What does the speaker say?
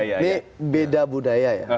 ini beda budaya ya